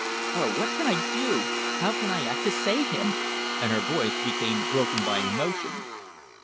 Oh, what can I do? How can I act to save him?" and her voice became broken by emotion.